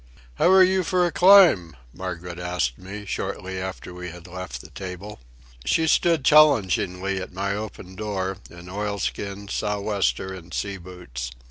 "How are you for a climb?" Margaret asked me, shortly after we had left the table. She stood challengingly at my open door, in oilskins, sou'wester, and sea boots.